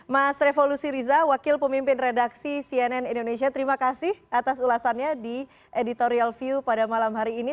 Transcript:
mas revo lusiriza wakil pemimpin redaksi cnn indonesia terima kasih atas ulasannya di editorial view pada malam hari ini